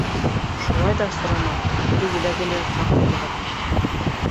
Шулай ҙа, Сураман, бүре еләге менән һаҡ булығыҙ!